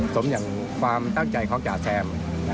สมอย่างความตั้งใจของจ่าแซม